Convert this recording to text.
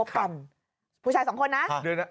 ทำไม